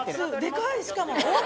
でかいしかも。